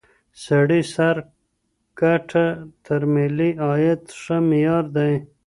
سړي سر ګټه تر ملي عاید ښه معیار دی.